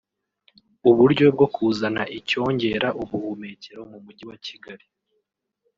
uburyo bwo kuzana icyongera ubuhumekero mu mujyi wa Kigali